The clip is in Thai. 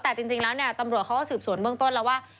แต่จริงแล้วเนี่ยตำรวจเขาก็สืบสวนเบื้องต้นแล้วว่า